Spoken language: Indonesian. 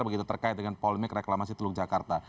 begitu terkait dengan polemik reklamasi teluk jakarta